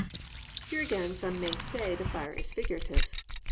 "+ Here again some may say the fire is figurative.